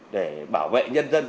để bảo vệ nhân dân